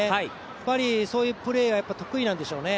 やっぱり、そういうプレーが得意なんでしょうね。